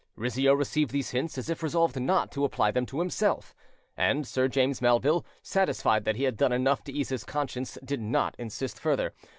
Rizzio received these hints as if resolved not to apply them to himself; and Sir James Melville, satisfied that he had done enough to ease his conscience, did not insist further.